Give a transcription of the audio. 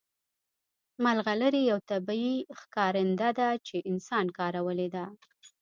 ملغلرې یو طبیعي ښکارنده ده چې انسان کارولې ده